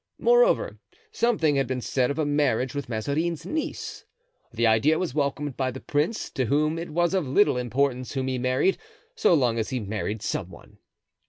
Moreover, something had been said of a marriage with Mazarin's niece. The idea was welcomed by the prince, to whom it was of little importance whom he married, so long as he married some one.